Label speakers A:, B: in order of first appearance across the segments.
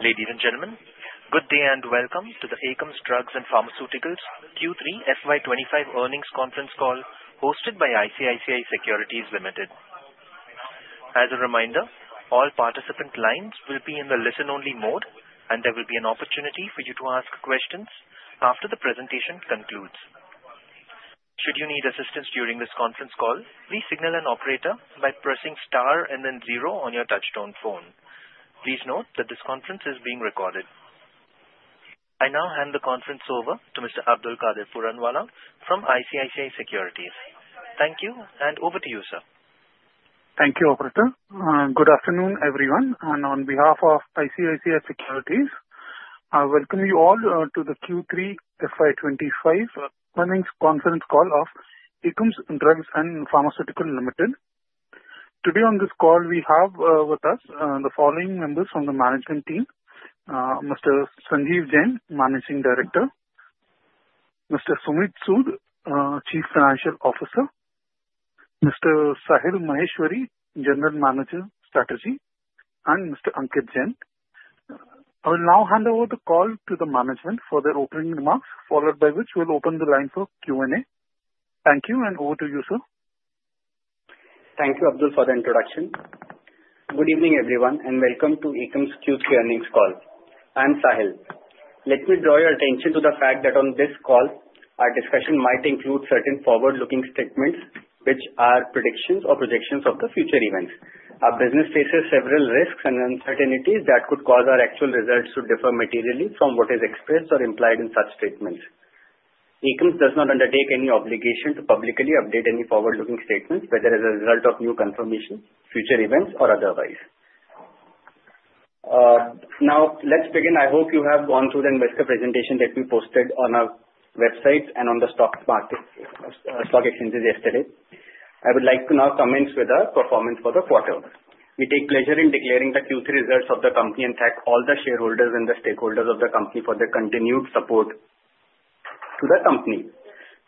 A: Ladies and gentlemen, good day and welcome to the Akums Drugs and Pharmaceuticals Q3 FY 2025 Earnings Conference Call hosted by ICICI Securities Limited. As a reminder, all participant lines will be in the listen-only mode, and there will be an opportunity for you to ask questions after the presentation concludes. Should you need assistance during this conference call, please signal an operator by pressing star and then zero on your Touch-Tone phone. Please note that this conference is being recorded. I now hand the conference over to Mr. Abdul Qadir Puranwala from ICICI Securities. Thank you, and over to you, sir.
B: Thank you, Operator. Good afternoon, everyone. And on behalf of ICICI Securities, I welcome you all to the Q3 FY 2025 earnings conference call of Akums Drugs and Pharmaceuticals Limited. Today on this call, we have with us the following members from the management team: Mr. Sanjeev Jain, Managing Director; Mr. Sumeet Sood, Chief Financial Officer; Mr. Sahil Maheshwari, General Manager, Strategy; and Mr. Ankit Jain. I will now hand over the call to the management for their opening remarks, followed by which we'll open the line for Q&A. Thank you, and over to you, sir.
C: Thank you, Abdul, for the introduction. Good evening, everyone, and welcome to Akums Q3 earnings call. I'm Sahil. Let me draw your attention to the fact that on this call, our discussion might include certain forward-looking statements which are predictions or projections of the future events. Our business faces several risks and uncertainties that could cause our actual results to differ materially from what is expressed or implied in such statements. Akums does not undertake any obligation to publicly update any forward-looking statements whether as a result of new information, future events, or otherwise. Now, let's begin. I hope you have gone through the investor presentation that we posted on our website and on the stock exchanges yesterday. I would like to now commence with our performance for the quarter. We take pleasure in declaring the Q3 results of the company and thank all the shareholders and the stakeholders of the company for their continued support to the company.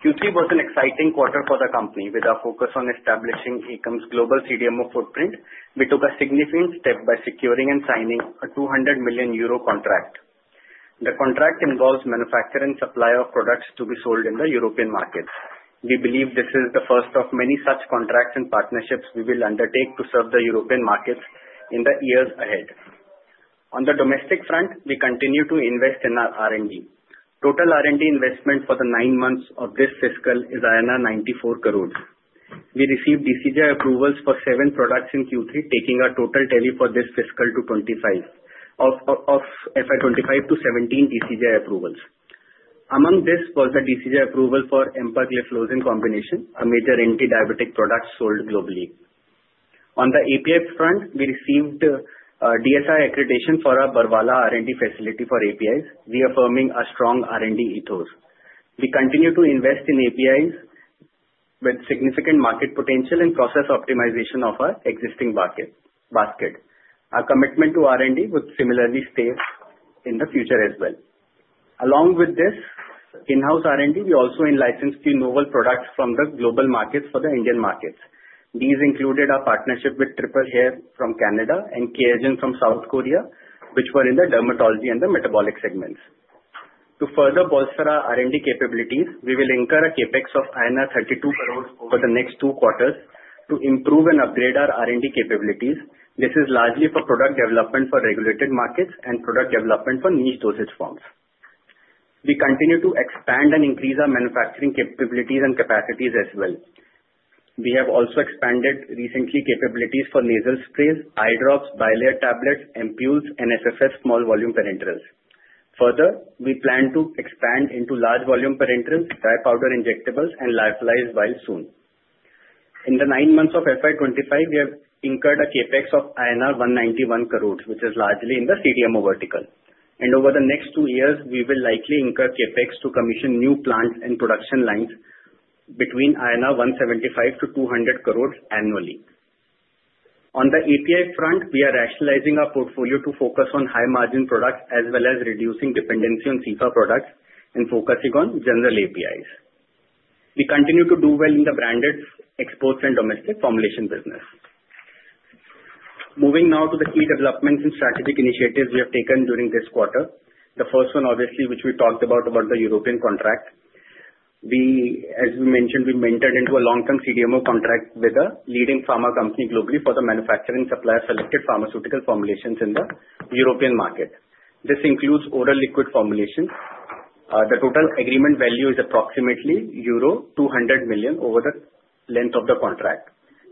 C: Q3 was an exciting quarter for the company. With our focus on establishing Akums' global CDMO footprint, we took a significant step by securing and signing a 200 million euro contract. The contract involves manufacturing and supply of products to be sold in the European markets. We believe this is the first of many such contracts and partnerships we will undertake to serve the European markets in the years ahead. On the domestic front, we continue to invest in our R&D. Total R&D investment for the nine months of this fiscal is 94 crore. We received DCGI approvals for seven products in Q3, taking our total tally for this fiscal to 25 of FY 2025 to 17 DCGI approvals. Among this was the DCGI approval for Empagliflozin combination, a major anti-diabetic product sold globally. On the API front, we received DSIR accreditation for our Barwala R&D facility for APIs, reaffirming our strong R&D ethos. We continue to invest in APIs with significant market potential and process optimization of our existing basket. Our commitment to R&D would similarly stay in the future as well. Along with this in-house R&D, we also licensed key novel products from the global markets for the Indian markets. These included our partnership with Triple Hair from Canada and Caregen from South Korea, which were in the dermatology and the metabolic segments. To further bolster our R&D capabilities, we will incur a CapEx of INR 32 crore over the next two quarters to improve and upgrade our R&D capabilities. This is largely for product development for regulated markets and product development for niche dosage forms. We continue to expand and increase our manufacturing capabilities and capacities as well. We have also expanded recently capabilities for nasal sprays, eye drops, bilayer tablets, ampoules, and FFS small volume parenterals. Further, we plan to expand into large volume parenterals, dry powder injectables, and lyophilized vials soon. In the nine months of FY 2025, we have incurred a CAPEX of INR 191 crore, which is largely in the CDMO vertical. Over the next two years, we will likely incur CAPEX to commission new plants and production lines between INR 175 to 200 crore annually. On the API front, we are rationalizing our portfolio to focus on high-margin products as well as reducing dependency on cephalosporin products and focusing on general APIs. We continue to do well in the branded, exports, and domestic formulation business. Moving now to the key developments and strategic initiatives we have taken during this quarter. The first one, obviously, which we talked about, about the European contract. As we mentioned, we entered into a long-term CDMO contract with a leading pharma company globally for the manufacturing and supply of selected pharmaceutical formulations in the European market. This includes oral liquid formulations. The total agreement value is approximately euro 200 million over the length of the contract.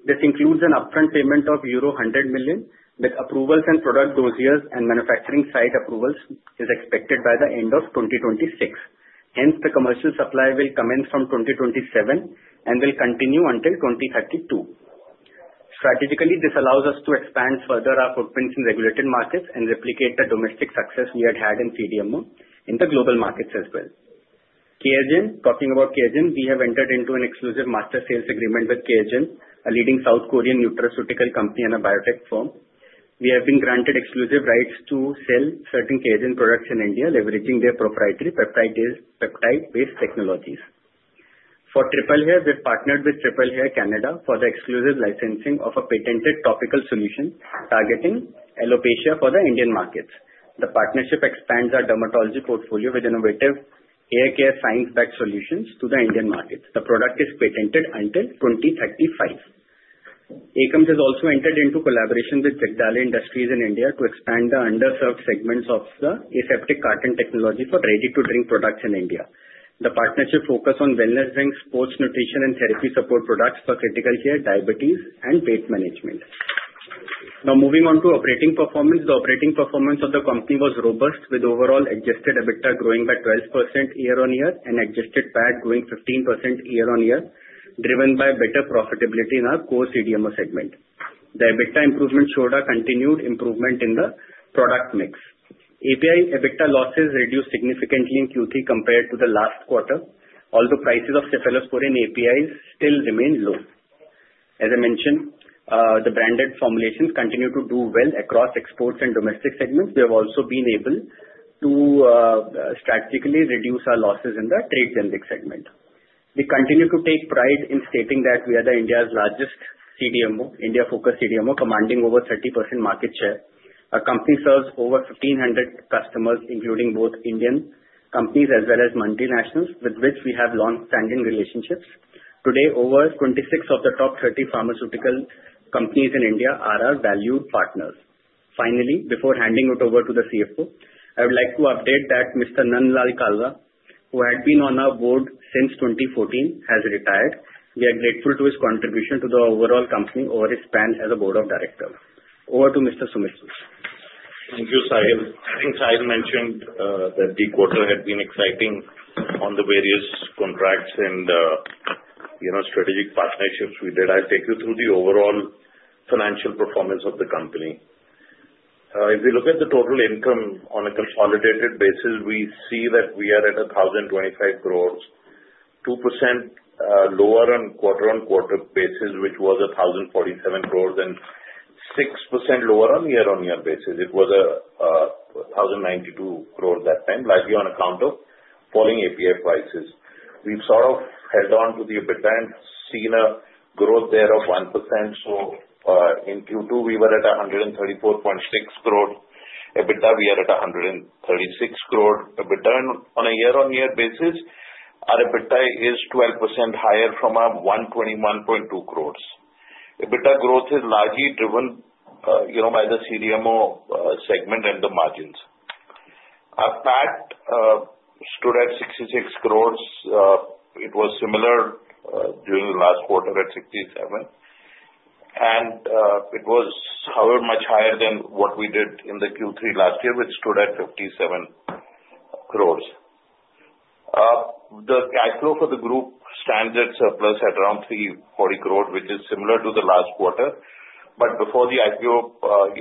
C: This includes an upfront payment of euro 100 million with approvals and product dossiers and manufacturing site approvals expected by the end of 2026. Hence, the commercial supply will commence from 2027 and will continue until 2032. Strategically, this allows us to expand further our footprint in regulated markets and replicate the domestic success we had had in CDMO in the global markets as well. Talking about Keyagent, we have entered into an exclusive master sales agreement with Keyagent, a leading South Korean nutraceutical company and a biotech firm. We have been granted exclusive rights to sell certain Keyagent products in India, leveraging their proprietary peptide-based technologies. For Triple Hair, we have partnered with Triple Hair Canada for the exclusive licensing of a patented topical solution targeting alopecia for the Indian markets. The partnership expands our dermatology portfolio with innovative hair care science-backed solutions to the Indian market. The product is patented until 2035. Akums has also entered into collaboration with Jagdale Industries in India to expand the underserved segments of the aseptic carton technology for ready-to-drink products in India. The partnership focuses on wellness drinks, sports nutrition, and therapy support products for critical care, diabetes, and weight management. Now, moving on to operating performance, the operating performance of the company was robust, with overall adjusted EBITDA growing by 12% year-on-year and adjusted PAT growing 15% year-on-year, driven by better profitability in our core CDMO segment. The EBITDA improvement showed a continued improvement in the product mix. API EBITDA losses reduced significantly in Q3 compared to the last quarter, although prices of cephalosporin APIs still remained low. As I mentioned, the branded formulations continue to do well across exports and domestic segments. We have also been able to strategically reduce our losses in the trade-centric segment. We continue to take pride in stating that we are India's largest CDMO, India-focused CDMO, commanding over 30% market share. Our company serves over 1,500 customers, including both Indian companies as well as multinationals, with which we have long-standing relationships. Today, over 26 of the top 30 pharmaceutical companies in India are our valued partners. Finally, before handing it over to the CFO, I would like to update that Mr. Nand Lal Kalra, who had been on our board since 2014, has retired. We are grateful to his contribution to the overall company over his span as a board of directors. Over to Mr. Sumeet.
D: Thank you, Sahil. I think Sahil mentioned that the quarter had been exciting on the various contracts and strategic partnerships we did. I'll take you through the overall financial performance of the company. If we look at the total income on a consolidated basis, we see that we are at 1,025 crore, 2% lower on quarter-on-quarter basis, which was 1,047 crore, and 6% lower on year-on-year basis. It was 1,092 crore that time, likely on account of falling API prices. We've sort of held on to the EBITDA and seen a growth there of 1%. So in Q2, we were at 134.6 crore. EBITDA, we are at 136 crore EBITDA. And on a year-on-year basis, our EBITDA is 12% higher from our 121.2 crore. EBITDA growth is largely driven by the CDMO segment and the margins. Our PAT stood at 66 crore. It was similar during the last quarter at 67 and it was, however, much higher than what we did in the Q3 last year, which stood at 57 crore. The cash flow for the group standalone surplus at around 340 crore, which is similar to the last quarter, but before the IPO,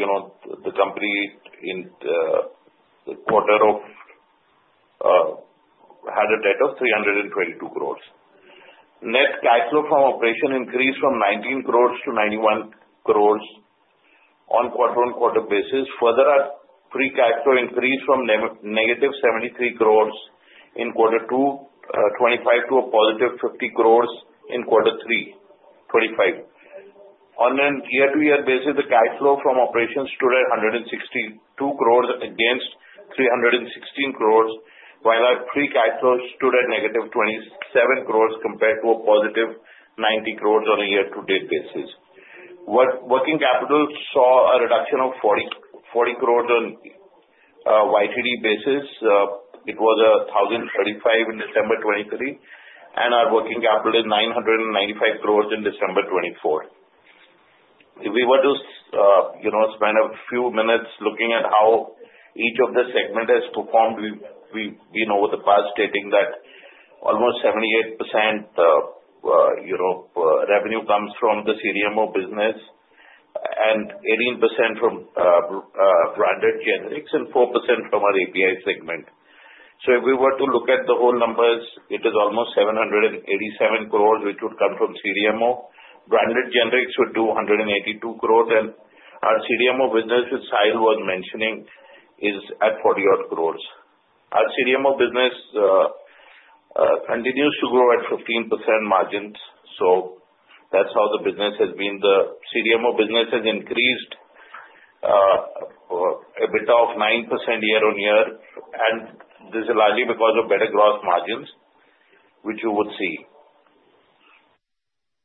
D: the company had a debt of 322 crore. Net cash flow from operations increased from 19 to 91 crore on quarter-on-quarter basis. Further, our free cash flow increased from negative 73 crore in Q2 2025 to a positive 50 crore in Q3 2025. On a year-to-year basis, the cash flow from operations stood at 162 crore against 316 crore, while our free cash flow stood at negative 27 crore compared to a positive 90 crore on a year-to-date basis. Working capital saw a reduction of 40 crore on YTD basis. It was 1,035 in December 2023, and our working capital is 995 crore in December 2024. If we were to spend a few minutes looking at how each of the segments has performed, we know over the past quarter that almost 78% revenue comes from the CDMO business and 18% from branded generics and 4% from our API segment. So if we were to look at the whole numbers, it is almost 787 crore, which would come from CDMO. Branded generics would do 182 crore, and our API segment, which Sahil was mentioning, is at 48 crore. Our CDMO business continues to grow at 15% margins. So that's how the business has been. The CDMO business has increased EBITDA of 9% year-on-year, and this is largely because of better gross margins, which you would see.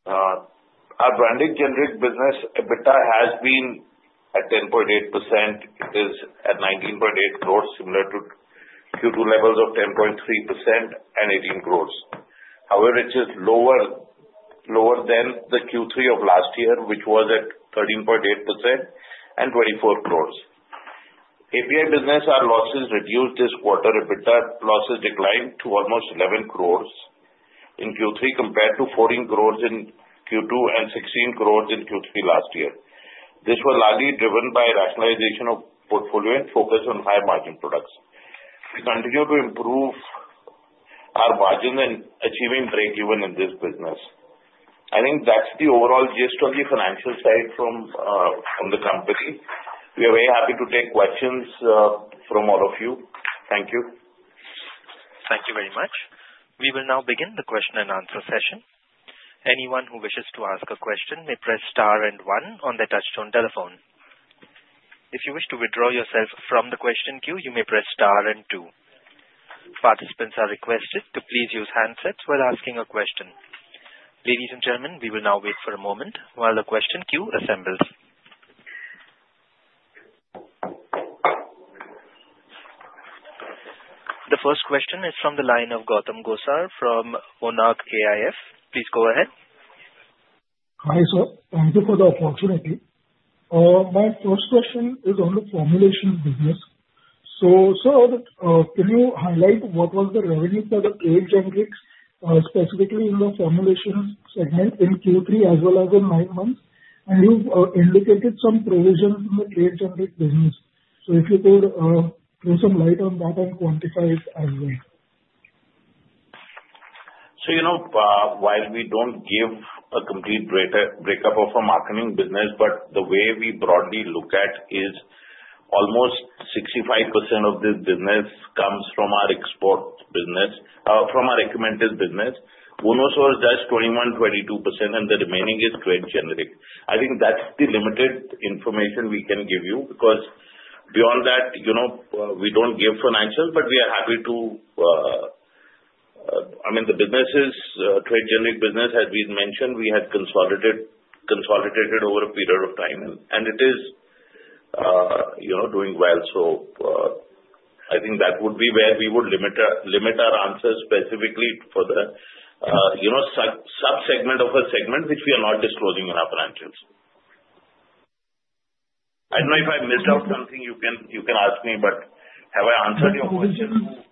D: Our branded generic business EBITDA has been at 10.8%. It is at 19.8 crore, similar to Q2 levels of 10.3% and 18 crore. However, it is lower than the Q3 of last year, which was at 13.8% and 24 crore. API business, our losses reduced this quarter. EBITDA losses declined to almost 11 crore in Q3 compared to 14 crore in Q2 and 16 crore in Q3 last year. This was largely driven by rationalization of portfolio and focus on high-margin products. We continue to improve our margins and achieving break-even in this business. I think that's the overall gist on the financial side from the company. We are very happy to take questions from all of you. Thank you.
A: Thank you very much. We will now begin the question and answer session. Anyone who wishes to ask a question may press star and one on the Touch-Tone telephone. If you wish to withdraw yourself from the question queue, you may press star and two. Participants are requested to please use handsets while asking a question. Ladies and gentlemen, we will now wait for a moment while the question queue assembles. The first question is from the line of Gautam Gosar from Monarch AIF. Please go ahead.
E: Hi, sir. Thank you for the opportunity. My first question is on the formulation business. So, sir, can you highlight what was the revenue for the trade generics, specifically in the formulation segment in Q3 as well as in nine months? And you've indicated some provisions in the trade generic business. So if you could throw some light on that and quantify it as well?
D: So, you know, while we don't give a complete breakup of our marketing business, but the way we broadly look at is almost 65% of this business comes from our export business, from our branded business. One of those does 21% to 22%, and the remaining is trade generic. I think that's the limited information we can give you because beyond that, we don't give financials, but we are happy to, I mean, the business is trade generic business, as we mentioned. We have consolidated over a period of time, and it is doing well. So I think that would be where we would limit our answers, specifically for the subsegment of our segment, which we are not disclosing in our financials. I don't know if I missed out something. You can ask me, but have I answered your question?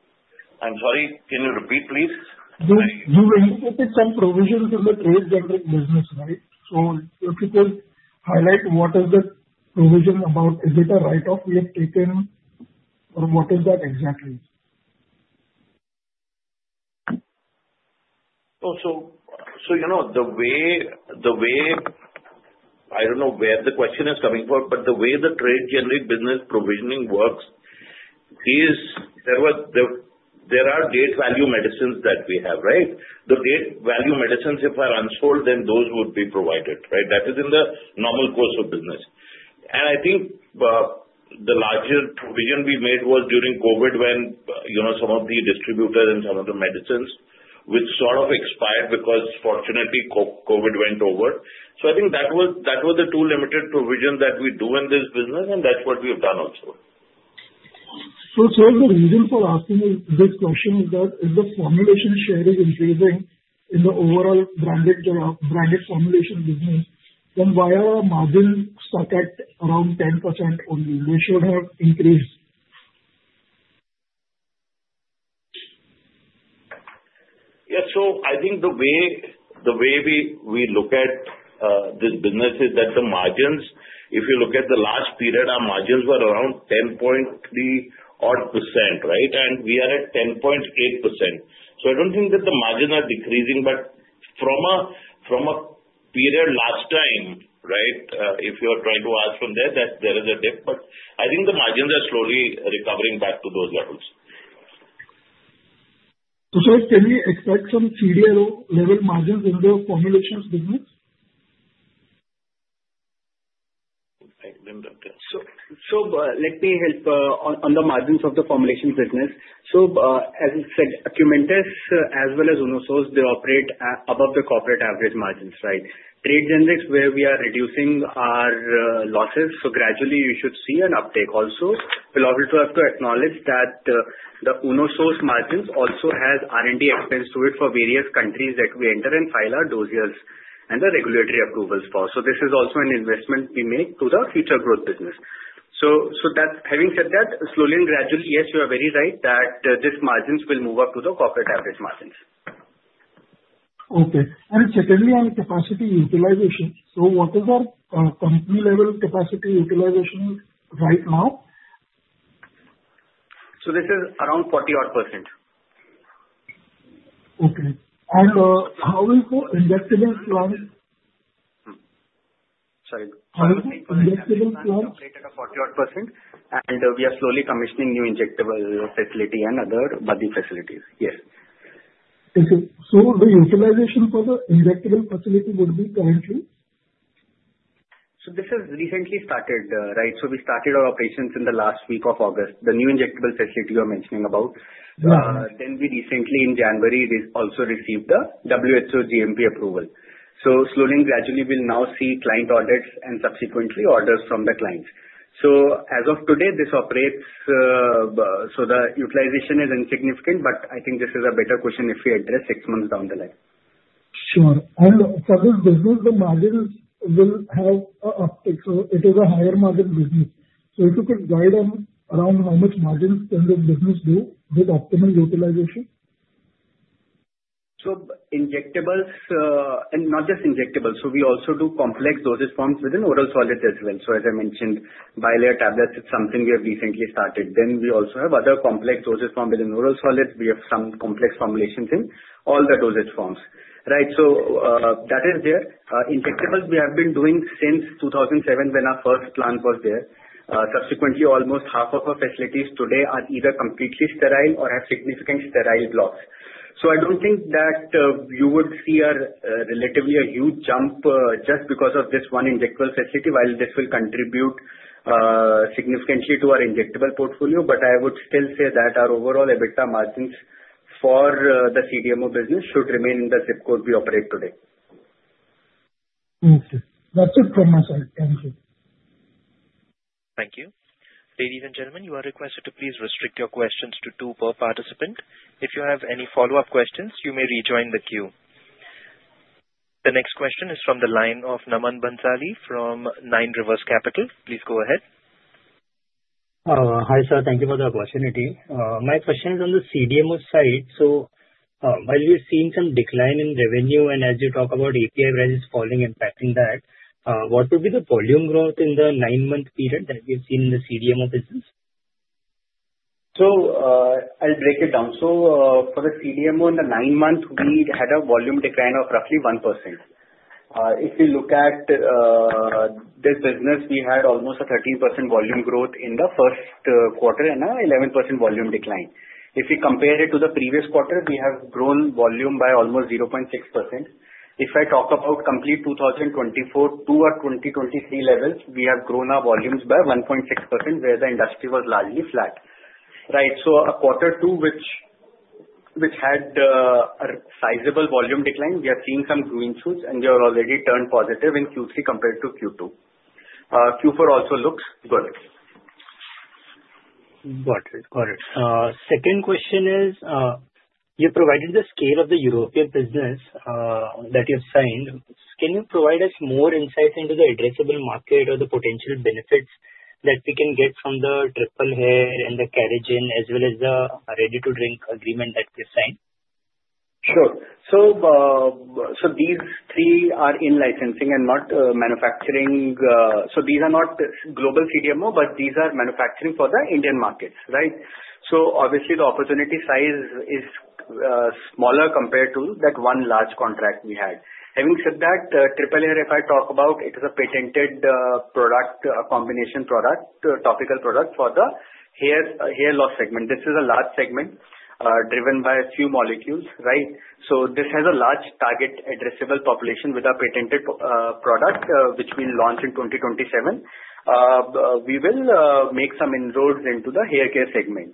E: [inaudible]
D: I'm sorry. Can you repeat, please?
E: You indicated some provisions in the trade generic business, right? So if you could highlight what is the provision about EBITDA write-off we have taken, or what is that exactly?
D: Oh, so the way, I don't know where the question is coming from, but the way the trade generic business provisioning works is there are dated value medicines that we have, right? The dated value medicines, if they are unsold, then those would be provisioned, right? That is in the normal course of business. And I think the larger provision we made was during COVID when some of the distributors and some of the medicines, which sort of expired because, fortunately, COVID blew over. So I think that was the two limited provisions that we do in this business, and that's what we have done also.
E: Sir, the reason for asking this question is that if the formulation share is increasing in the overall branded formulation business, then why are our margins stuck at around 10% only? They should have increased.
D: Yeah, so I think the way we look at this business is that the margins, if you look at the last period, our margins were around 10.3%, right, and we are at 10.8%, so I don't think that the margins are decreasing, but from a period last time, right, if you are trying to ask from there, there is a dip, but I think the margins are slowly recovering back to those levels.
E: So sir, can we expect some CDMO-level margins in the formulations business?
D: [inaudible] So let me help on the margins of the formulation business. So as I said, Akumentis as well as Unosource, they operate above the corporate average margins, right? Trade generics, where we are reducing our losses, so gradually you should see an uptake also. We'll also have to acknowledge that the Unosource margins also have R&D expense to it for various countries that we enter and file our dossiers and the regulatory approvals for. So this is also an investment we make to the future growth business. So having said that, slowly and gradually, yes, you are very right that these margins will move up to the corporate average margins.
E: Okay. And secondly, on capacity utilization, so what is our company-level capacity utilization right now?
D: So this is around 40-odd%.
E: Okay. And how is the injectable plants?
D: [inaudible] at 40-odd%, and we are slowly commissioning new injectable facility and other API facilities, yes.
E: Okay. So the utilization for the injectable facility would be currently?
D: So this has recently started, right? So we started our operations in the last week of August, the new injectable facility you are mentioning about. Then we recently, in January, also received the WHO GMP approval. So slowly and gradually, we'll now see client audits and subsequently orders from the clients. So as of today, this operates, so the utilization is insignificant, but I think this is a better question if we address six months down the line.
E: Sure. And for this business, the margins will have an uptake. So it is a higher-margin business. So if you could guide around how much margins can the business do with optimal utilization?
D: So injectables, and not just injectables. So we also do complex dosage forms within oral solids as well. So as I mentioned, bilayer tablets, it's something we have recently started. Then we also have other complex dosage forms within oral solids. We have some complex formulations in all the dosage forms, right? So that is there. Injectables, we have been doing since 2007 when our first plant was there. Subsequently, almost half of our facilities today are either completely sterile or have significant sterile blocks. So I don't think that you would see relatively a huge jump just because of this one injectable facility, while this will contribute significantly to our injectable portfolio. But I would still say that our overall EBITDA margins for the CDMO business should remain in the zip code we operate today.
E: Okay. That's it from my side. Thank you.
A: Thank you. Ladies and gentlemen, you are requested to please restrict your questions to two per participant. If you have any follow-up questions, you may rejoin the queue. The next question is from the line of Naman Bhansali from Nine Rivers Capital. Please go ahead.
F: Hi, sir. Thank you for the opportunity. My question is on the CDMO side. So while we've seen some decline in revenue, and as you talk about API rates falling and impacting that, what would be the volume growth in the nine-month period that we've seen in the CDMO business?
D: I'll break it down. For the CDMO in the nine months, we had a volume decline of roughly 1%. If you look at this business, we had almost a 13% volume growth in the first quarter and an 11% volume decline. If you compare it to the previous quarter, we have grown volume by almost 0.6%. If I talk about complete 2024 to our 2023 levels, we have grown our volumes by 1.6%, where the industry was largely flat, right? Quarter two, which had a sizable volume decline, we have seen some growing shoots, and they have already turned positive in Q3 compared to Q2. Q4 also looks good.
F: Got it. Got it. Second question is, you provided the scale of the European business that you have signed. Can you provide us more insight into the addressable market or the potential benefits that we can get from the Triple Hair and the Caregen, as well as the ready-to-drink agreement that we have signed?
D: Sure. So these three are in licensing and not manufacturing. So these are not global CDMO, but these are manufacturing for the Indian markets, right? So obviously, the opportunity size is smaller compared to that one large contract we had. Having said that, Triple Hair, if I talk about, it is a patented product, a combination product, topical product for the hair loss segment. This is a large segment driven by a few molecules, right? So this has a large target addressable population with a patented product, which we launched in 2027. We will make some inroads into the hair care segment.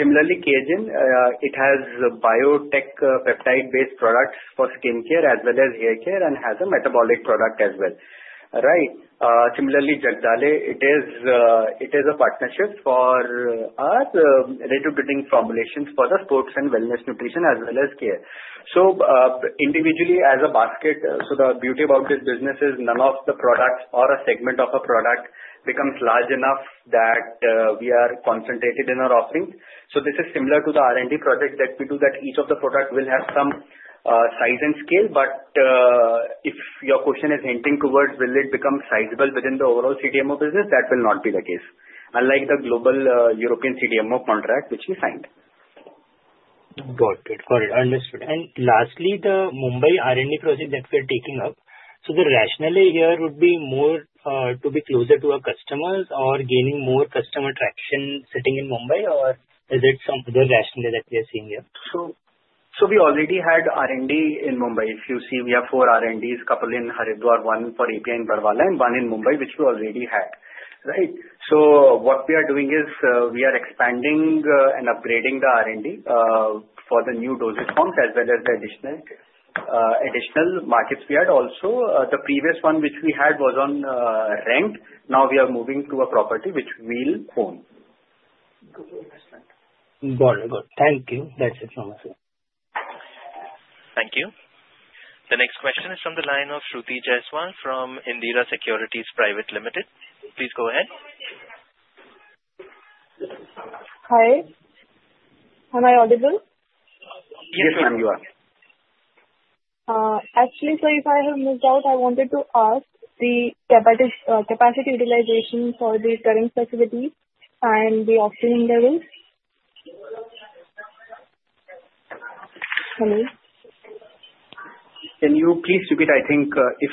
D: Similarly, Caregen, it has biotech peptide-based products for skincare as well as hair care and has a metabolic product as well, right? Similarly, Jagdale, it is a partnership for our ready-to-drink formulations for the sports and wellness nutrition as well as care. So individually, as a basket, so the beauty about this business is none of the products or a segment of a product becomes large enough that we are concentrated in our offering. So this is similar to the R&D project that we do, that each of the products will have some size and scale. But if your question is hinting towards will it become sizable within the overall CDMO business, that will not be the case, unlike the global European CDMO contract which we signed.
F: Got it. Got it. Understood. And lastly, the Mumbai R&D project that we are taking up, so the rationale here would be more to be closer to our customers or gaining more customer traction sitting in Mumbai, or is it some other rationale that we are seeing here?
D: So we already had R&D in Mumbai. If you see, we have four R&Ds, a couple in Haridwar, one for API in Barwala, and one in Mumbai, which we already had, right? So what we are doing is we are expanding and upgrading the R&D for the new dosage forms as well as the additional markets we had. Also, the previous one which we had was on rent. Now we are moving to a property which we'll own. Good investment.
F: Got it. Got it. Thank you. That's it from my side.
A: Thank you. The next question is from the line of Shruti Jaiswal from Indira Securities Private Limited. Please go ahead.
G: Hi. Am I audible?
D: Yes, ma'am, you are.
G: Actually, sorry if I have missed out. I wanted to ask the capacity utilization for the current facility and the optimum levels. Hello?
D: Can you please repeat? I think if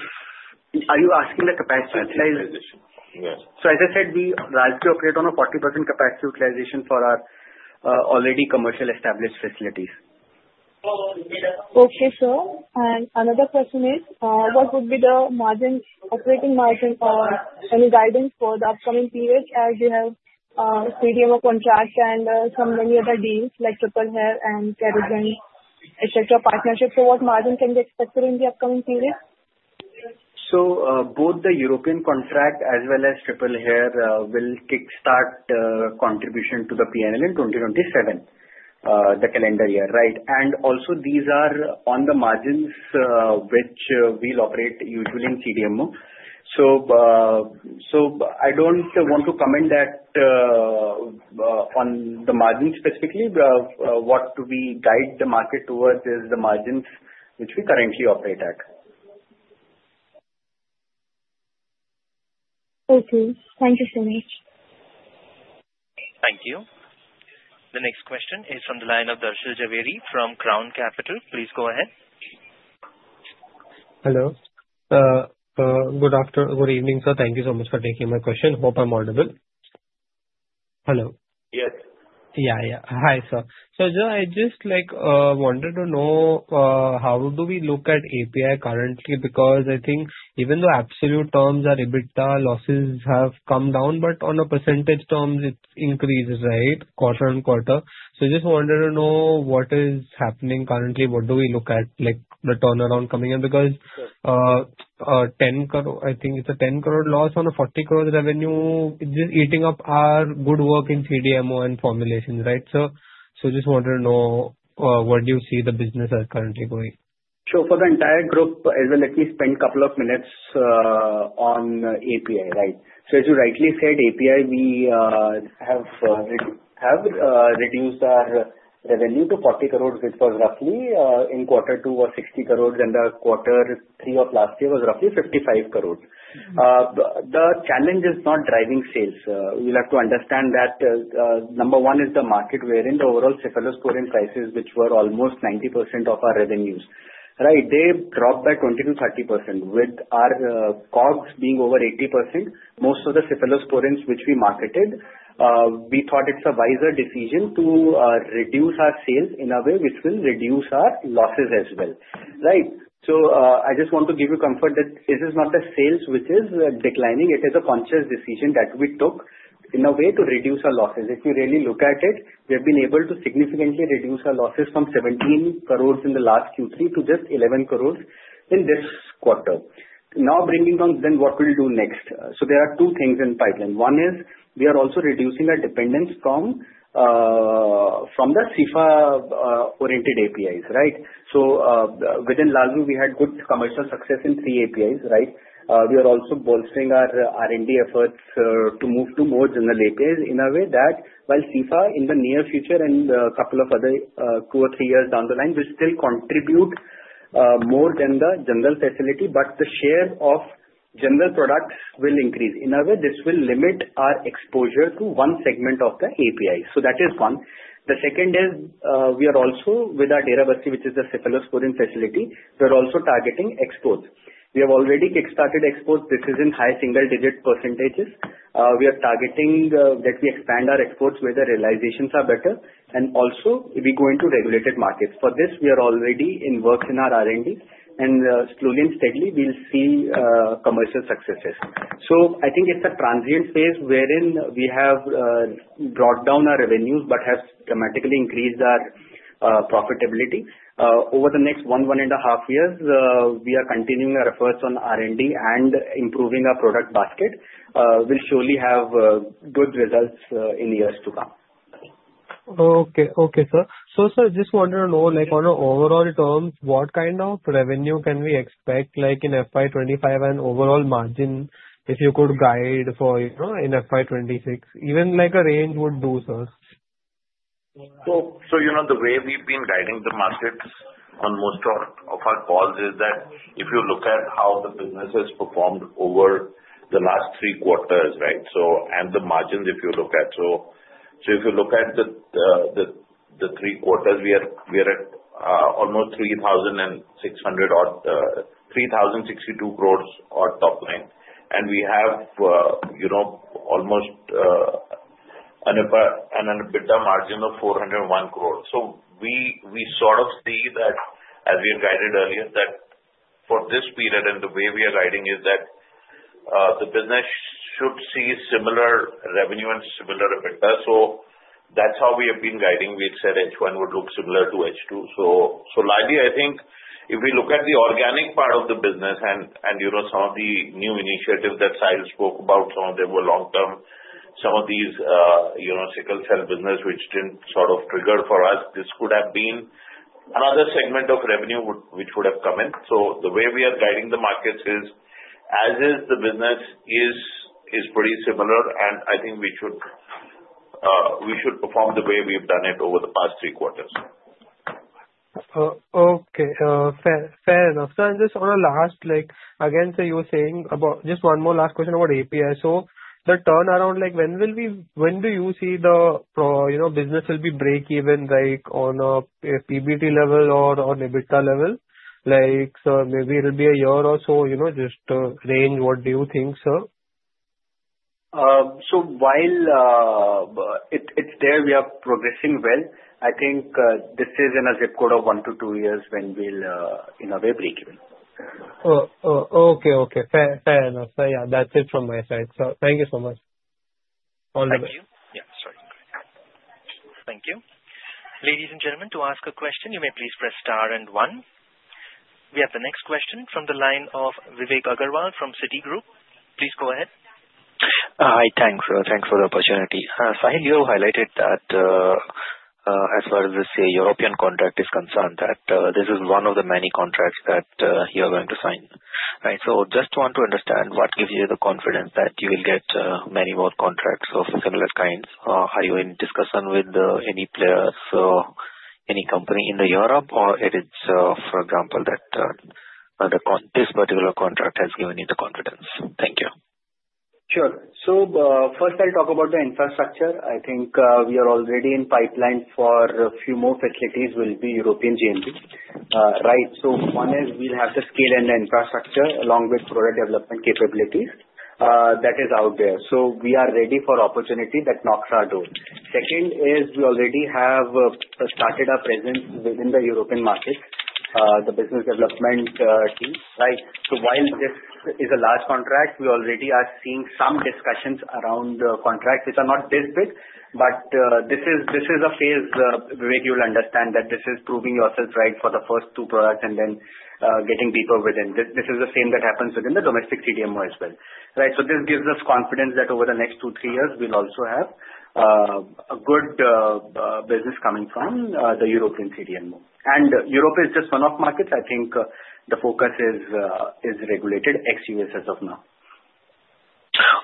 D: you are asking the capacity utilization?
G: Yes.
D: As I said, we largely operate on a 40% capacity utilization for our already commercially established facilities.
G: Okay, sir. And another question is, what would be the margin, operating margin, or any guidance for the upcoming period as you have CDMO contract and so many other deals like Triple Hair and Caregen, etc., partnership? So what margin can be expected in the upcoming period?
D: So both the European contract as well as Triple Hair will kickstart contribution to the P&L in 2027, the calendar year, right? And also, these are on the margins which we'll operate usually in CDMO. So I don't want to comment on the margin specifically. What we guide the market towards is the margins which we currently operate at.
G: Okay. Thank you so much.
D: Thank you.
A: The next question is from the line of Darshil Jhaveri from Crown Capital. Please go ahead.
H: Hello. Good evening, sir. Thank you so much for taking my question. Hope I'm audible. Hello.
D: Yes.
H: Yeah, yeah. Hi, sir. So sir, I just wanted to know how do we look at API currently? Because I think even though absolute terms are EBITDA, losses have come down, but on a percentage terms, it increases, right, quarter on quarter. So just wanted to know what is happening currently? What do we look at, the turnaround coming in? Because I think it's a 10 crore loss on a 40 crore revenue, just eating up our good work in CDMO and formulations, right? So just wanted to know what do you see the business as currently going?
D: So for the entire group, as well, let me spend a couple of minutes on API, right? So as you rightly said, API, we have reduced our revenue to 40 crores, which was roughly in quarter two was 60 crores, and quarter three of last year was roughly 55 crores. The challenge is not driving sales. We'll have to understand that number one is the market, wherein the overall cephalosporin prices, which were almost 90% of our revenues, right, they dropped by 20% to 30%. With our COGS being over 80%, most of the cephalosporins which we marketed, we thought it's a wiser decision to reduce our sales in a way which will reduce our losses as well, right? So I just want to give you comfort that this is not a sales which is declining. It is a conscious decision that we took in a way to reduce our losses. If you really look at it, we have been able to significantly reduce our losses from 17 crore in the last Q3 to just 11 crore in this quarter. Now, bringing down, then what will we do next? So there are two things in pipeline. One is we are also reducing our dependence from the Cepha-oriented APIs, right? So within Lalru, we had good commercial success in three APIs, right? We are also bolstering our R&D efforts to move to more general APIs in a way that while Cepha in the near future and a couple of other two or three years down the line, will still contribute more than the general facility, but the share of general products will increase. In a way, this will limit our exposure to one segment of the API. So that is one. The second is we are also with our data bucket, which is the cephalosporin facility, we are also targeting exports. We have already kickstarted exports. This is in high single-digit percentage. We are targeting that we expand our exports where the realizations are better. And also, we go into regulated markets. For this, we are already in works in our R&D, and slowly and steadily, we'll see commercial successes. So I think it's a transient phase wherein we have brought down our revenues but have dramatically increased our profitability. Over the next one, one and a half years, we are continuing our efforts on R&D and improving our product basket. We'll surely have good results in the years to come.
H: Okay. Okay, sir. So sir, just wanted to know, on an overall terms, what kind of revenue can we expect in FY 2025 and overall margin if you could guide for in FY 2026? Even a range would do, sir.
D: The way we've been guiding the markets on most of our calls is that if you look at how the business has performed over the last three quarters, right, and the margins if you look at. If you look at the three quarters, we are at almost 3,600 or 3,062 crore top line. We have almost an EBITDA margin of 401 crore. We sort of see that, as we had guided earlier, that for this period and the way we are guiding is that the business should see similar revenue and similar EBITDA. That's how we have been guiding. We said H1 would look similar to H2. So largely, I think if we look at the organic part of the business and some of the new initiatives that Sahil spoke about, some of them were long-term, some of these sickle cell business which didn't sort of trigger for us, this could have been another segment of revenue which would have come in. The way we are guiding the markets is as is the business is pretty similar, and I think we should perform the way we have done it over the past three quarters.
H: Okay. Fair enough. So just on a last, again, so you were saying about just one more last question about API. So the turnaround, when do you see the business will be breakeven on a PBT level or an EBITDA level? So maybe it'll be a year or so, just range. What do you think, sir?
D: So while it's there, we are progressing well. I think this is in a zip code of one to two years when we'll in a way breakeven.
H: Okay. Okay. Fair enough. So yeah, that's it from my side. So thank you so much. All the best.
A: Thank you. Yeah. Sorry. Thank you. Ladies and gentlemen, to ask a question, you may please press star and one. We have the next question from the line of Vivek Agarwal from Citi Group. Please go ahead.
I: Hi. Thanks, sir. Thanks for the opportunity. Sahil, you have highlighted that as far as the European contract is concerned, that this is one of the many contracts that you are going to sign, right? So just want to understand what gives you the confidence that you will get many more contracts of similar kinds? Are you in discussion with any players, any company in Europe, or it is, for example, that this particular contract has given you the confidence? Thank you.
C: Sure. So first, I'll talk about the infrastructure. I think we are already in pipeline for a few more facilities will be European GMP, right? So one is we'll have the scale and the infrastructure along with product development capabilities that is out there. So we are ready for opportunity that knocks our door. Second is we already have started our presence within the European market, the business development team, right? So while this is a large contract, we already are seeing some discussions around the contract. It's not this big, but this is a phase where you'll understand that this is proving yourself right for the first two products and then getting deeper within. This is the same that happens within the domestic CDMO as well, right? So this gives us confidence that over the next two, three years, we'll also have a good business coming from the European CDMO. And Europe is just one of the markets. I think the focus is regulated ex U.S. as of now.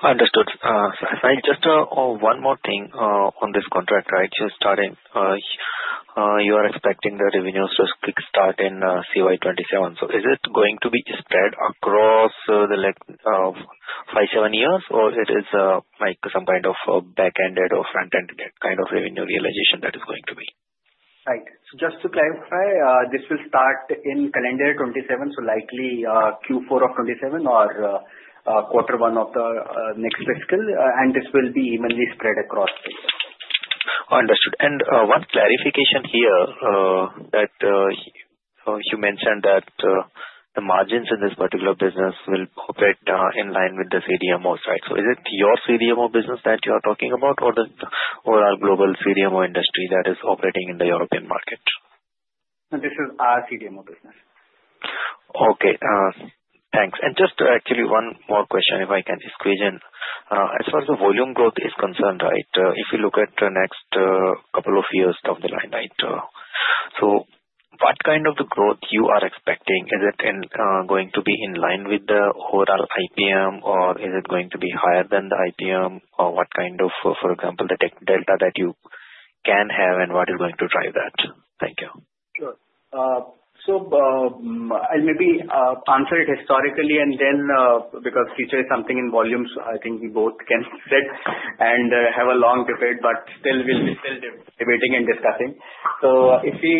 I: Understood. Sahil, just one more thing on this contract, right? So starting, you are expecting the revenues to kickstart in CY 2027. So is it going to be spread across the next five, seven years, or it is some kind of back-ended or front-ended kind of revenue realization that is going to be?
C: Right. So just to clarify, this will start in calendar 2027, so likely Q4 of 2027 or quarter one of the next fiscal, and this will be evenly spread across the year.
I: Understood. And one clarification here that you mentioned that the margins in this particular business will operate in line with the CDMOs, right? So is it your CDMO business that you are talking about or the overall global CDMO industry that is operating in the European market?
C: This is our CDMO business.
I: Okay. Thanks. And just actually one more question, if I can squeeze in. As far as the volume growth is concerned, right, if you look at the next couple of years down the line, right, so what kind of growth you are expecting, is it going to be in line with the overall IPM, or is it going to be higher than the IPM, or what kind of, for example, the tech delta that you can have, and what is going to drive that? Thank you.
C: Sure. So I'll maybe answer it historically, and then because future is something in volumes, I think we both can sit and have a long debate, but still we'll be debating and discussing. If we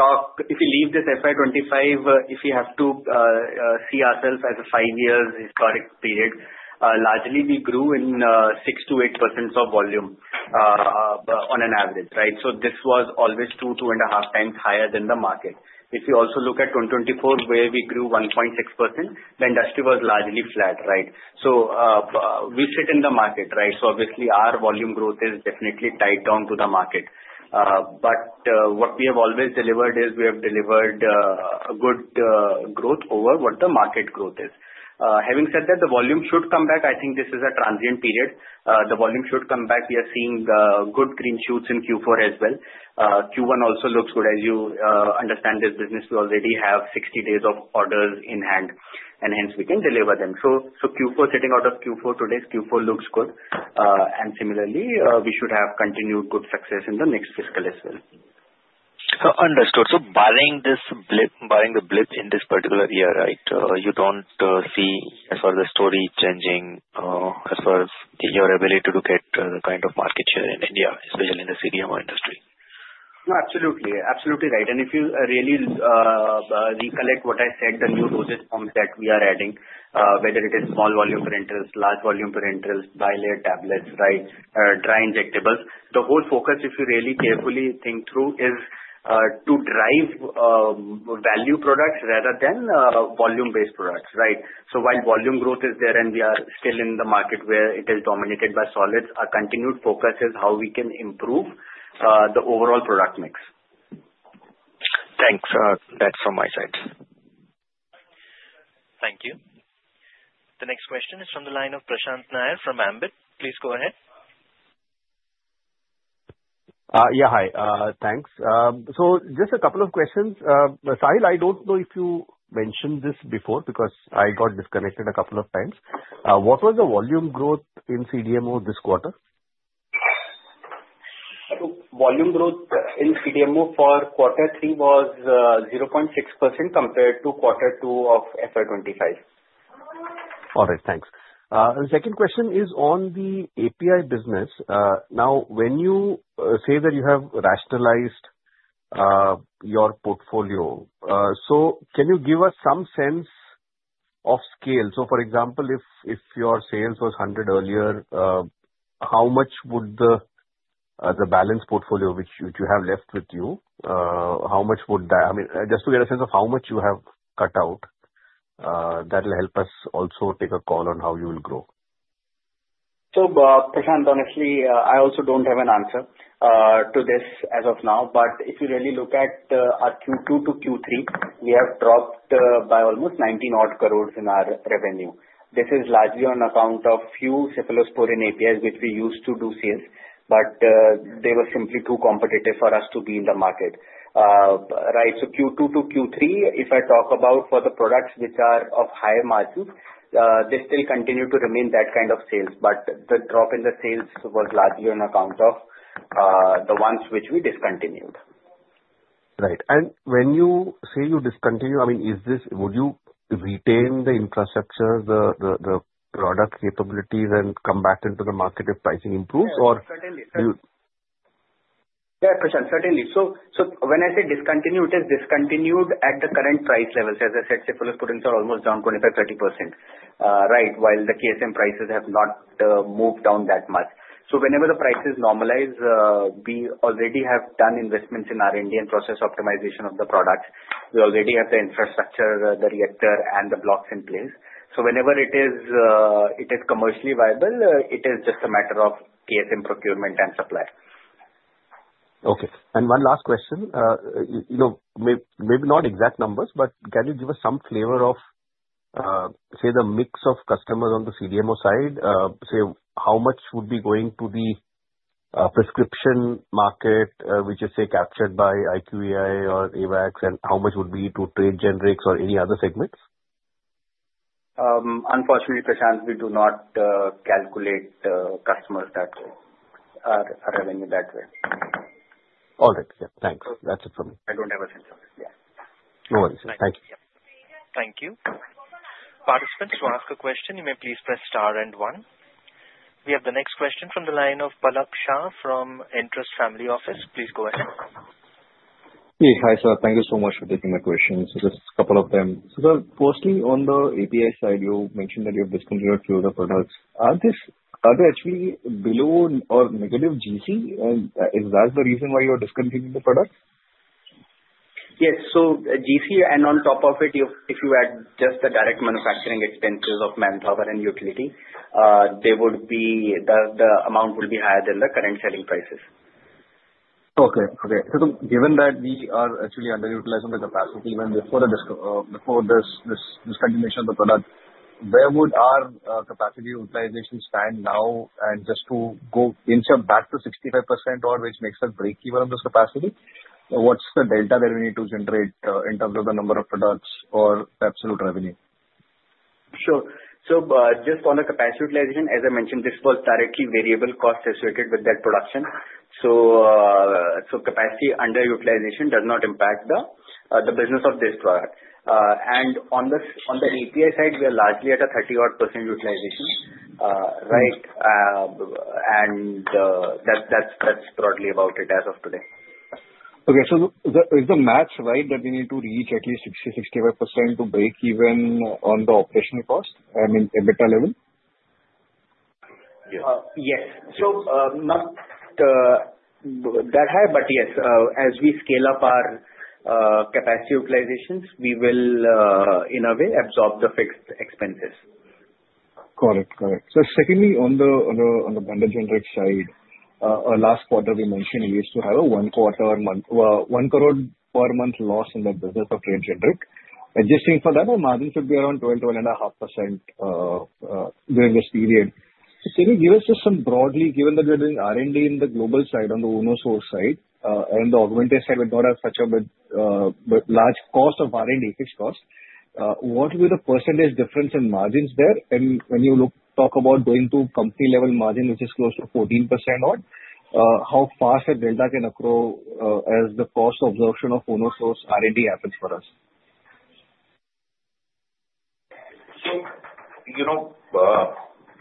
C: talk, if we leave this FY 2025, if we have to see ourselves as a five-year historic period, largely we grew in 6% to 8% of volume on an average, right? So this was always two, two and a half times higher than the market. If you also look at 2024, where we grew 1.6%, then last year was largely flat, right? So we sit in the market, right? So obviously, our volume growth is definitely tied down to the market. But what we have always delivered is we have delivered good growth over what the market growth is. Having said that, the volume should come back. I think this is a transient period. The volume should come back. We are seeing good green shoots in Q4 as well. Q1 also looks good. As you understand, this business, we already have 60 days of orders in hand, and hence we can deliver them. So Q4, sitting outside of Q4 today, Q4 looks good. And similarly, we should have continued good success in the next fiscal as well.
I: Understood. So barring the blip in this particular year, right, you don't see as far as the story changing as far as your ability to get the kind of market share in India, especially in the CDMO industry?
C: No, absolutely. Absolutely right. And if you really recollect what I said, the new dosage forms that we are adding, whether it is small volume parenterals, large volume parenterals, bilayer tablets, right, dry injectables. The whole focus, if you really carefully think through, is to drive value products rather than volume-based products, right? So while volume growth is there and we are still in the market where it is dominated by solids, our continued focus is how we can improve the overall product mix.
I: Thanks. That's from my side.
A: Thank you. The next question is from the line of Prashant Nair from Ambit. Please go ahead.
J: Yeah. Hi. Thanks. So just a couple of questions. Sahil, I don't know if you mentioned this before because I got disconnected a couple of times. What was the volume growth in CDMO this quarter?
C: Volume growth in CDMO for quarter three was 0.6% compared to quarter two of FY 2025.
J: All right. Thanks. The second question is on the API business. Now, when you say that you have rationalized your portfolio, so can you give us some sense of scale? So for example, if your sales was 100 earlier, how much would the balance portfolio which you have left with you, how much would that I mean, just to get a sense of how much you have cut out, that will help us also take a call on how you will grow.
C: So Prashant, honestly, I also don't have an answer to this as of now. But if you really look at our Q2 to Q3, we have dropped by almost 19 odd crore in our revenue. This is largely on account of few cephalosporin APIs which we used to do sales, but they were simply too competitive for us to be in the market, right? Q2 to Q3, if I talk about for the products which are of higher margins, they still continue to remain that kind of sales. But the drop in the sales was largely on account of the ones which we discontinued.
J: Right. And when you say you discontinue, I mean, would you retain the infrastructure, the product capabilities, and come back into the market if pricing improves, or?
C: Yeah, certainly. Certainly. So when I say discontinue, it is discontinued at the current price levels. As I said, cephalosporins are almost down 25% to 30%, right, while the KSM prices have not moved down that much. So whenever the prices normalize, we already have done investments in R&D and process optimization of the products. We already have the infrastructure, the reactor, and the blocks in place. So whenever it is commercially viable, it is just a matter of KSM procurement and supply.
J: Okay. And one last question. Maybe not exact numbers, but can you give us some flavor of, say, the mix of customers on the CDMO side? Say how much would be going to the prescription market, which is, say, captured by IQVIA or AIOCD AWACS, and how much would be to trade generics or any other segments?
C: Unfortunately, Prashant, we do not calculate customers that way or revenue that way.
J: All right. Yeah. Thanks. That's it from me.
C: I don't have a sense of it. Yeah.
J: No worries. Thank you.
A: Thank you. Participants, to ask a question, you may please press star and one. We have the next question from the line of Palak Shah from Entrust Family Office. Please go ahead.
K: Yes. Hi, sir. Thank you so much for taking my question. So just a couple of them. So mostly on the API side, you mentioned that you have discontinued a few of the products. Are they actually below or negative GC? And is that the reason why you are discontinuing the products?
D: Yes. So GC, and on top of it, if you add just the direct manufacturing expenses of manpower and utility, the amount would be higher than the current selling prices.
K: Okay. Okay. So given that we are actually underutilizing the capacity even before the discontinuation of the product, where would our capacity utilization stand now? And just to go in short, back to 65%, which makes us breakeven on this capacity, what's the delta that we need to generate in terms of the number of products or absolute revenue?
D: Sure. So just on the capacity utilization, as I mentioned, this was directly variable cost associated with that production. So capacity underutilization does not impact the business of this product. And on the API side, we are largely at a 30-odd% utilization, right? And that's broadly about it as of today.
K: Okay. So is the max, right, that we need to reach at least 60% to 65% to breakeven on the operational cost, I mean, EBITDA level?
D: Yes, so not that high, but yes. As we scale up our capacity utilizations, we will, in a way, absorb the fixed expenses.
K: Got it. Got it. So secondly, on the branded generics side, last quarter, we mentioned we used to have a one quarter, 1 crore per month loss in the business of trade generics. Adjusting for that, our margin should be around 12% to 12.5% during this period. Can you give us just some broadly, given that we're doing R&D in the global side on the Unosource side and the Akumentis side, we've got such a large cost of R&D, fixed cost, what will be the percentage difference in margins there? And when you talk about going to company-level margin, which is close to 14% odd, how fast a delta can occur as the cost absorption of Unosource's R&D happens for us?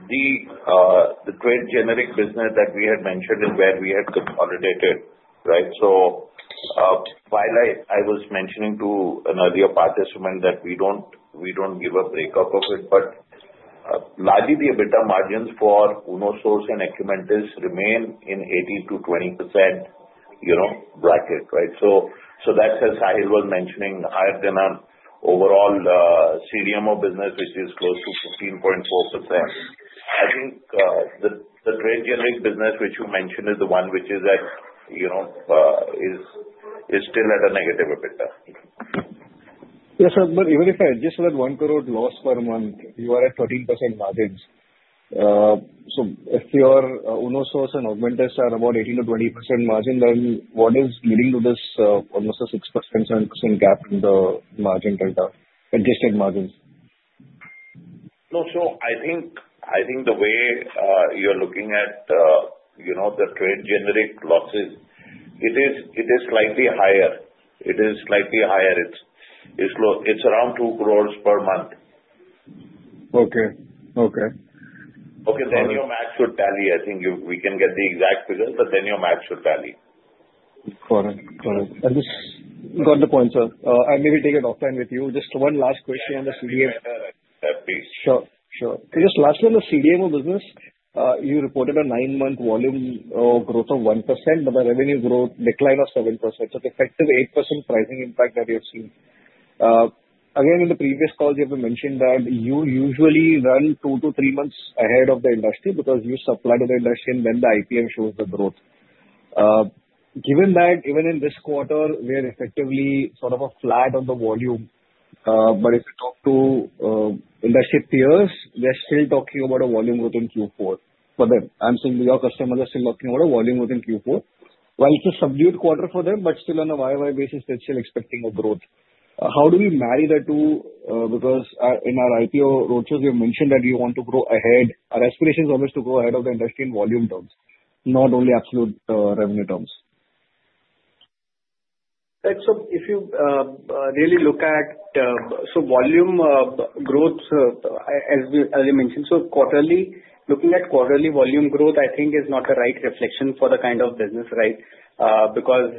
D: The trade generics business that we had mentioned is where we had consolidated, right? While I was mentioning to an earlier participant that we don't give a breakup of it, but largely the EBITDA margins for Unosource's and Akumentis remain in 18% to 20% bracket, right? That's as Sahil was mentioning, higher than our overall CDMO business, which is close to 15.4%. I think the trade generics business, which you mentioned, is the one which is still at a negative EBITDA.
K: Yes, sir. But even if I adjust that 1 crore loss per month, you are at 13% margins. So if your Unosource's and Akumentis are about 18% to 20% margin, then what is leading to this almost a 6% to 7% gap in the margin delta, adjusted margins?
D: No, so I think the way you're looking at the trade generics losses, it is slightly higher. It is slightly higher. It's around 2 crore per month.
K: Okay. Okay.
D: Okay. Then your math should tally. I think we can get the exact figure, but then your math should tally.
K: Got it. Got it. I just got the point, sir. I may take it offline with you. Just one last question on the CDMO. Yeah. Please. Sure. Sure. So just last year, the CDMO business, you reported a nine-month volume growth of 1%, but the revenue growth declined of 7%. So the effective 8% pricing impact that you have seen. Again, in the previous calls, you have mentioned that you usually run two to three months ahead of the industry because you supply to the industry, and then the IPM shows the growth. Given that, even in this quarter, we are effectively sort of flat on the volume. But if you talk to industry peers, they're still talking about a volume growth in Q4 for them. I'm saying your customers are still talking about a volume growth in Q4. Well, it's a subdued quarter for them, but still on a YY basis, they're still expecting a growth. How do we marry the two? Because in our IPO roadshows, we have mentioned that you want to grow ahead. Our aspiration is always to grow ahead of the industry in volume terms, not only absolute revenue terms.
C: Right. So if you really look at so volume growth, as you mentioned, so quarterly, looking at quarterly volume growth, I think is not the right reflection for the kind of business, right? Because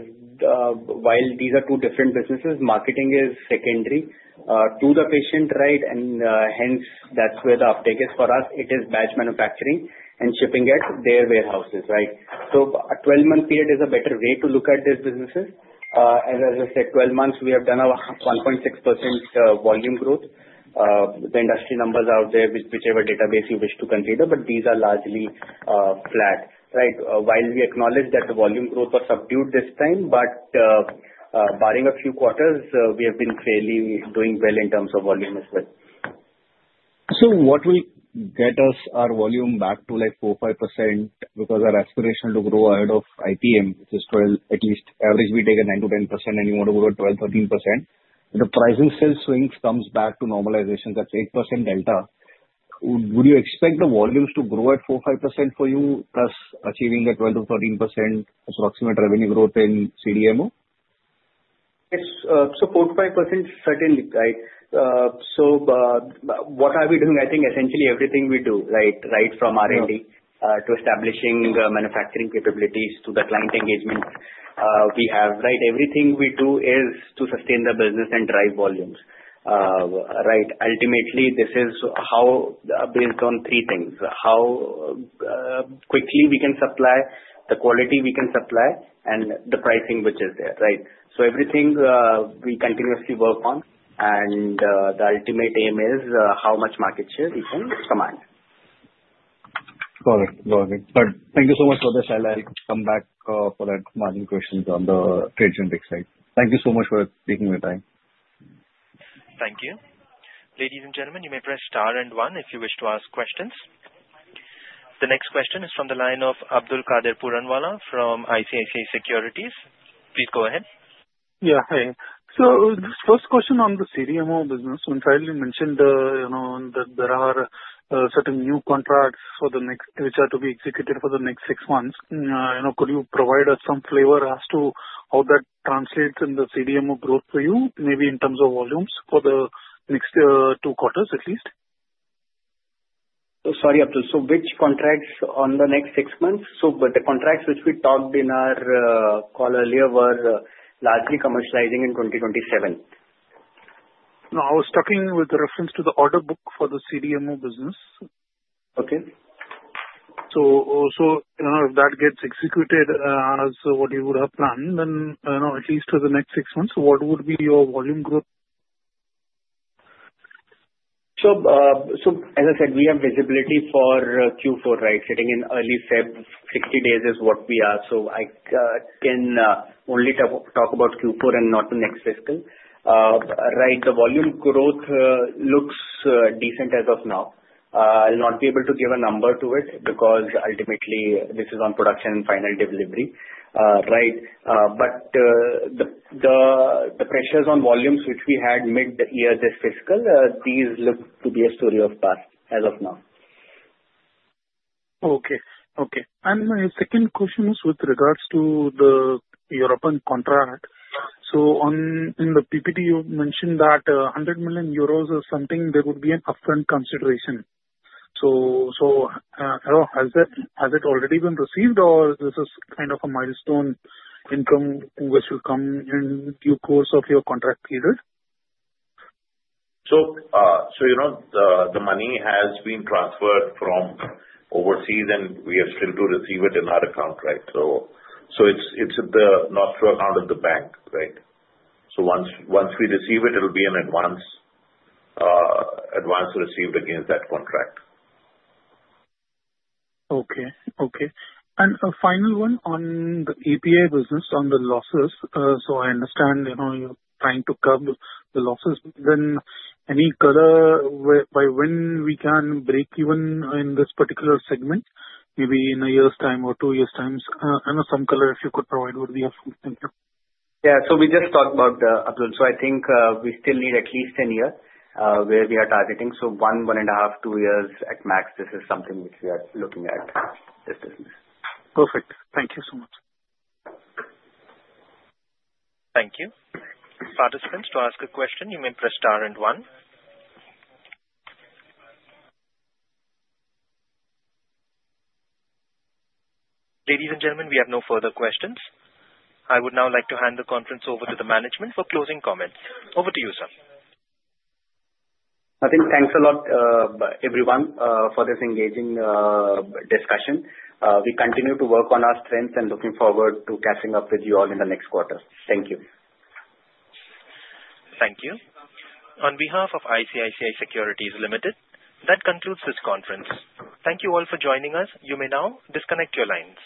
C: while these are two different businesses, marketing is secondary to the patient, right? And hence, that's where the uptake is for us. It is batch manufacturing and shipping at their warehouses, right? So a 12-month period is a better way to look at these businesses. And as I said, 12 months, we have done a 1.6% volume growth. The industry numbers are out there with whichever database you wish to consider, but these are largely flat, right? While we acknowledge that the volume growth was subdued this time, but barring a few quarters, we have been fairly doing well in terms of volume as well.
K: So, what will get us our volume back to like 4% to 5%? Because our aspiration to grow ahead of IPM, which is 12% at least average, we take a 9% to 10%, and you want to go to 12% to 13%. The pricing still swings, comes back to normalization. That's 8% delta. Would you expect the volumes to grow at 4% to 5% for you, plus achieving that 12% to 13% approximate revenue growth in CDMO?
C: So 4% to 5%, certainly. So what are we doing? I think essentially everything we do, right, from R&D to establishing manufacturing capabilities to the client engagement we have, right? Everything we do is to sustain the business and drive volumes, right? Ultimately, this is based on three things: how quickly we can supply, the quality we can supply, and the pricing which is there, right? So everything we continuously work on. And the ultimate aim is how much market share we can command.
K: Got it. Got it. All right. Thank you so much for the shout-out. I'll come back for that margin question on the trade generics side. Thank you so much for taking the time.
A: Thank you. Ladies and gentlemen, you may press star and one if you wish to ask questions. The next question is from the line of Abdul Qadir Puranwala from ICICI Securities. Please go ahead.
B: Yeah. Hi. So this first question on the CDMO business, when Sahil mentioned that there are certain new contracts which are to be executed for the next six months, could you provide us some flavor as to how that translates in the CDMO growth for you, maybe in terms of volumes for the next two quarters at least?
D: Sorry, Abdul. So which contracts on the next six months? So the contracts which we talked in our call earlier were largely commercializing in 2027.
B: No, I was talking with reference to the order book for the CDMO business.
D: Okay.
B: So if that gets executed as what you would have planned, then at least for the next six months, what would be your volume growth?
D: So as I said, we have visibility for Q4, right? Sitting in early February, 60 days is what we are. So I can only talk about Q4 and not the next fiscal, right? The volume growth looks decent as of now. I'll not be able to give a number to it because ultimately, this is on production and final delivery, right? But the pressures on volumes which we had mid-year this fiscal, these look to be a story of past as of now.
B: Okay. Okay. And my second question is with regards to the European contract. So in the PPT, you mentioned that 100 million euros or something, there would be an upfront consideration. So has it already been received, or is this kind of a milestone income which will come in due course of your contract period?
C: The money has been transferred from overseas, and we have still to receive it in our account, right? So it's the nostro account of the bank, right? So once we receive it, it'll be an advance received against that contract.
B: Okay. Okay. And a final one on the API business, on the losses. So I understand you're trying to curb the losses. Then any color by when we can break even in this particular segment, maybe in a year's time or two years' time? I know some color if you could provide what we have from.
C: Yeah. So we just talked about the outlook. So I think we still need at least a year where we are targeting. So one, one and a half, two years at max. This is something which we are looking at this business.
B: Perfect. Thank you so much.
A: Thank you. Participants, to ask a question, you may press star and one. Ladies and gentlemen, we have no further questions. I would now like to hand the conference over to the management for closing comments. Over to you, sir.
D: thanks a lot, everyone, for this engaging discussion. We continue to work on our strengths and looking forward to catching up with you all in the next quarter. Thank you.
A: Thank you. On behalf of ICICI Securities Limited, that concludes this conference. Thank you all for joining us. You may now disconnect your lines.